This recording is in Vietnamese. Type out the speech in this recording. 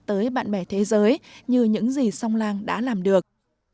tới bạn bè thế giới như những gì song lang đã làm được